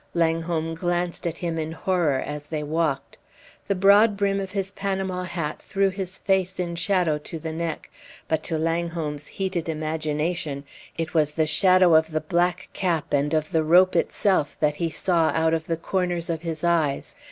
Langholm glanced at him in horror as they walked. The broad brim of his Panama hat threw his face in shadow to the neck; but to Langholm's heated imagination, it was the shadow of the black cap and of the rope itself that he saw out of the corners of his eyes.